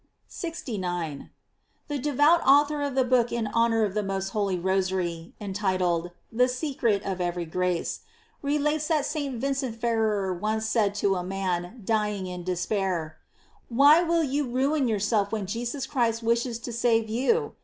* 69. — The devout author of the book in honor of the most holy Rosary, entitled, ''The Secret of every Grace," relates that St. Vincent Ferrer once said to a man dying in despair: "Why will you ruin yourself when Jesus Christ wishes to eave you?"